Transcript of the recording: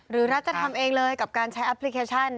รัฐจะทำเองเลยกับการใช้แอปพลิเคชัน